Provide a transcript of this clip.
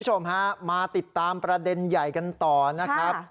คุณผู้ชมฮะมาติดตามประเด็นใหญ่กันต่อนะครับ